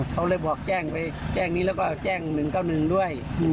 เขาเลยบอกแจ้งไปแจ้งนี้แล้วก็แจ้ง๑๙๑ด้วย